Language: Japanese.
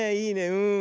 うん。